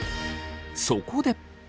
そこで。